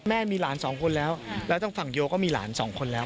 มีหลานสองคนแล้วแล้วทางฝั่งโยก็มีหลานสองคนแล้ว